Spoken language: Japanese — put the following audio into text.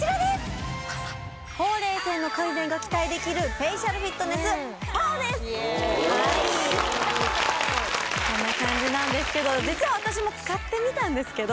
ほうれい線の改善が期待できるフェイシャルフィットネスＰＡＯですイエーはいこんな感じなんですけど実は私も使ってみたんですけど・